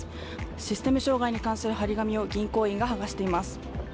システム障害に関する貼り紙を銀行員が剥がしています。